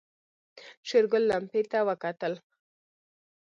شېرګل لمپې ته وکتل.